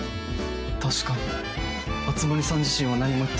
確かに熱護さん自身は何も言ってない。